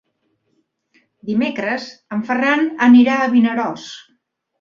Dimecres en Ferran anirà a Vinaròs.